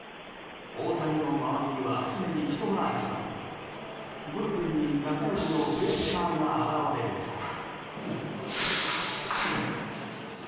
大谷の周りには常に人が集まりブルペンに仲良しのフレッチャーが現れると。